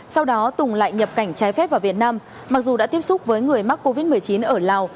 sau đó tùng lại nhập cảnh trái phép vào việt nam mặc dù đã tiếp xúc với người mắc covid một mươi chín ở lào